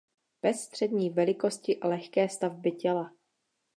Pes střední velikosti a lehké stavby těla.